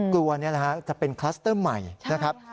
กลัวจะเป็นคลัสเตอร์ใหม่ใช่ค่ะ